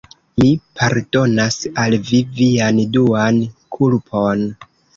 Mi pardonas al vi vian duan kulpon.